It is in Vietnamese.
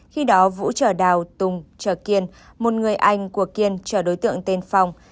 khi đó vũ chở đào tùng chở kiên một người anh của kiên chở đối tượng tên phong